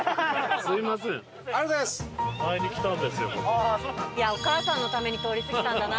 いやお母さんのために通り過ぎたんだなきっと。